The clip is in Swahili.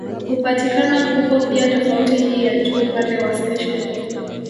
Hupatikana huko pia tofauti hii ya juu upande wa spishi